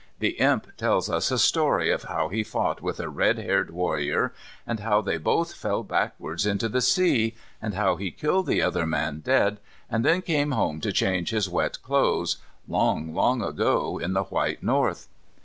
The Imp tells us a story of how he fought with a red haired warrior, and how they both fell backwards into the sea, and how he killed the other man dead, and then came home to change his wet clothes, long, long ago in the white north.